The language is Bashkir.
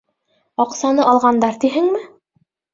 — Аҡсаны алғандар, тиһеңме?